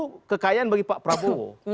itu kekayaan bagi pak prabowo